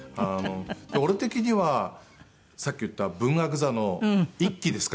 俺的にはさっき言った文学座の１期ですからね。